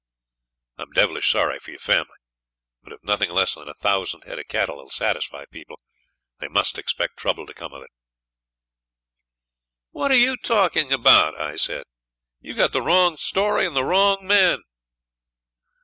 I'm devilish sorry for your family; but if nothing less than a thousand head of cattle will satisfy people, they must expect trouble to come of it.' 'What are you talking about?' I said. 'You've got the wrong story and the wrong men.'